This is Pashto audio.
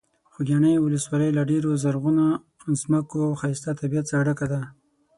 خوږیاڼي ولسوالۍ له ډېرو زرغونو ځمکو او ښایسته طبیعت څخه ډکه ده.